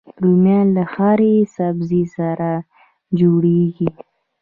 رومیان له هرې سبزي سره جوړيږي